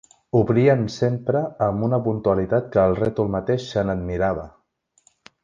Obrien sempre amb una puntualitat que el rètol mateix se'n admirava.